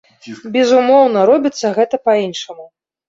Безумоўна, робіцца гэта па-іншаму.